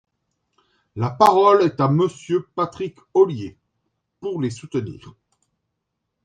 La parole est à Monsieur Patrick Ollier, pour les soutenir.